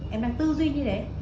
em đang tư duy như thế